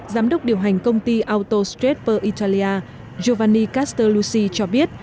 giám đốc điều hành công ty autostrade per italia giovanni castellucci cho biết